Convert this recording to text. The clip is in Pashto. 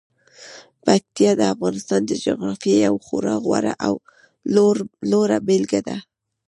پکتیکا د افغانستان د جغرافیې یوه خورا غوره او لوړه بېلګه ده.